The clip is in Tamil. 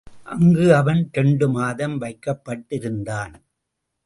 அங்கு அவன் இரண்டுமாதம் வைக்கப்பட்டிருந்தான்.